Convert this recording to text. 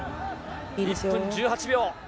１分１８秒。